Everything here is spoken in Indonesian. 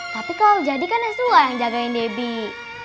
tapi kalau jadikan neswa yang jagain debbie